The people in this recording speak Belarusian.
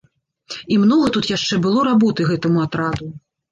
І многа тут яшчэ было работы гэтаму атраду.